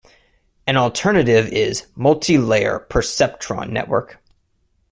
An alternative is "multilayer perceptron network".